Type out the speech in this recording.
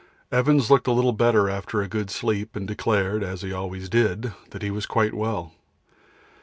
Evans looked a little better after a good sleep, and declared, as he always did, that he was quite well.